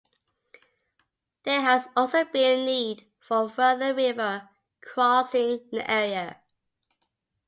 There has also been a need for a further river crossing in the area.